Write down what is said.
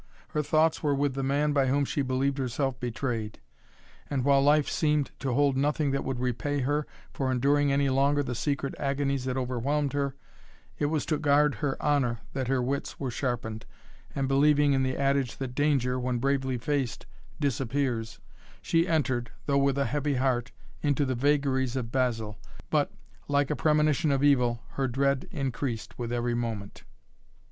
Her thoughts were with the man by whom she believed herself betrayed, and while life seemed to hold nothing that would repay her for enduring any longer the secret agonies that overwhelmed her, it was to guard her honor that her wits were sharpened and, believing in the adage that danger, when bravely faced, disappears, she entered, though with a heavy heart, into the vagaries of Basil, but, like a premonition of evil, her dread increased with every moment.